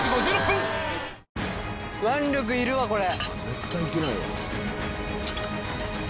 腕力いるわこれ！